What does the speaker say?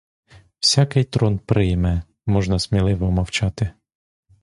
Всякий трон прийме — можна сміливо мовчати.